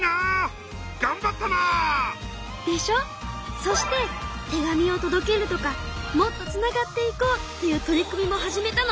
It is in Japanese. そして手紙をとどけるとかもっとつながっていこうっていう取り組みも始めたの。